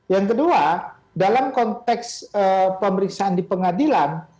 yang kedua dalam konteks pemeriksaan di pengadilan